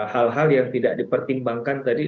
hal hal yang tidak dipertimbangkan tadi